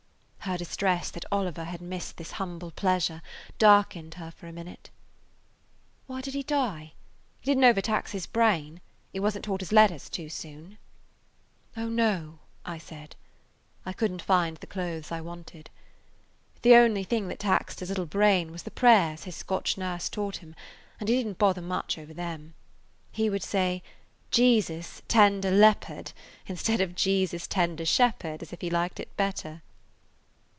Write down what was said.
Her distress that [Page 171] Oliver had missed this humble pleasure darkened her for a minute. "Why did he die! You did n't overtax his brain? He wasn't taught his letters too soon?" "Oh, no," I said. I couldn't find the clothes I wanted. "The only thing that taxed his little brain was the prayers his Scotch nurse taught him, and he didn't bother much over them. He would say, 'Jesus, tender leopard,' instead of 'Jesus, tender shepherd,' as if he liked it better."